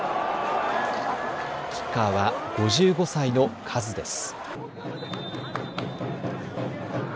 キッカーは５５歳のカズです。